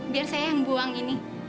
biar saya yang buang ini